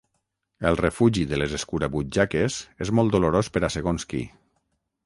El refugi de les escurabutxaques és molt dolorós per a segons qui.